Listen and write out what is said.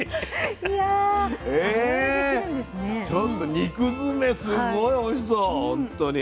えちょっと肉詰めすごいおいしそうほんとに。